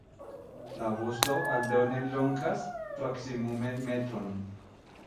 La vosto aldone longas proksimume metron.